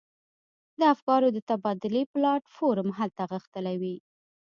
د افکارو د تبادلې پلاټ فورم هلته غښتلی وي.